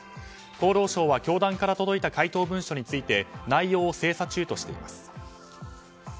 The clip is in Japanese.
厚労省は教団から届いた回答文書について内容を精査中としています。